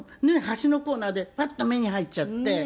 端のコーナーでパッと目に入っちゃって」